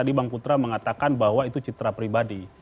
tadi bang putra mengatakan bahwa itu citra pribadi